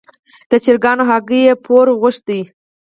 د چرګانو هګۍ یې پور غوښتې.